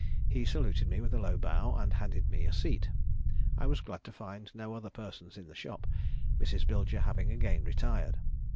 He saluted me with a low bow, and handed me a seat. I was glad to find no other person in the shop, Mrs. Bilger having again retired.